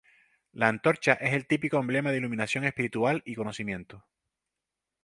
La antorcha es un típico emblema de iluminación espiritual y conocimiento.